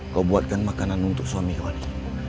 kau buatkan makanan untuk suami kau ini